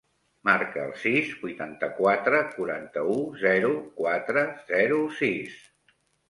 Marca el sis, vuitanta-quatre, quaranta-u, zero, quatre, zero, sis.